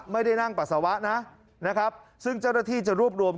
ไม่ได้นั่งปัสสาวะนะนะครับซึ่งเจ้าหน้าที่จะรวบรวม